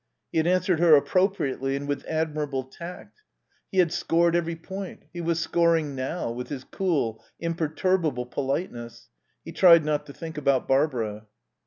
He had answered her appropriately and with admirable tact. He had scored every point; he was scoring now with his cool, imperturbable politeness. He tried not to think about Barbara.